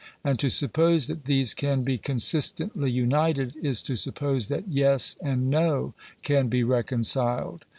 And to suppose that these can be consistently united, is to suppose that yes and no can be reconciled.